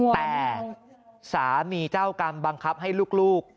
แต่สามีเจ้ากรรมบังคับให้ลูก